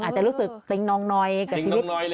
อาจจะรู้สึกติ๊งนองน้อยกับชีวิต